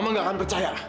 mama gak akan percaya